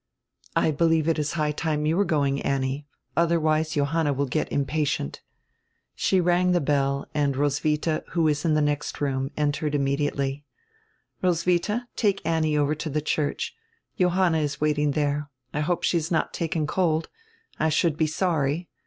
"I believe it is high time you were going, Annie. Other wise Johanna will get impatient." She rang die bell and Roswitha, who was in die next room, entered immediately. "Roswitha, take Annie over to die church. Johanna is waiting there. I hope she has not taken cold. I should be sorry.